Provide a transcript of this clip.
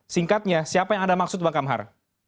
singkatnya siapa yang anda maksud bang kamhar